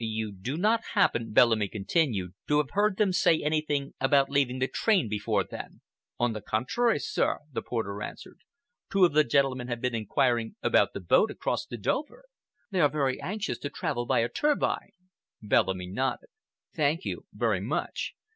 "You do not happen," Bellamy continued, "to have heard them say anything about leaving the train before then?" "On the contrary, sir," the porter answered, "two of the gentlemen have been inquiring about the boat across to Dover. They were very anxious to travel by a turbine." Bellamy nodded. "Thank you very much.